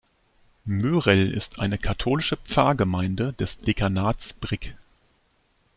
Mörel ist eine katholische Pfarrgemeinde des Dekanats Brig.